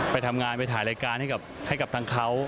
ไปทำงานไปถ่ายรายการให้กับทางเขา